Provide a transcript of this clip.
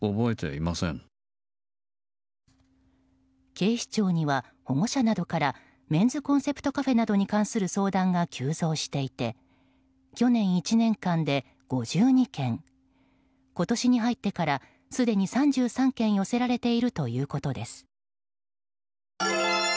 警視庁には、保護者などからメンズコンセプトカフェなどに関する相談が急増していて去年１年間で５２件今年に入ってから、すでに３３件寄せられているということです。